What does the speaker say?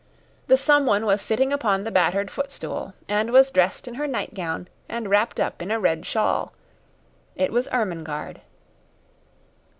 The someone was sitting upon the battered footstool, and was dressed in her nightgown and wrapped up in a red shawl. It was Ermengarde.